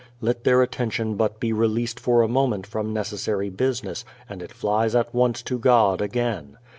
Let their attention but be released for a moment from necessary business and it flies at once to God again.